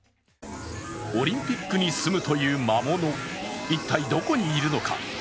オリンピックにすむという魔物一体どこにいるのか。